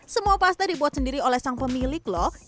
semua pasta dibuat sendiri oleh sang pemilik loh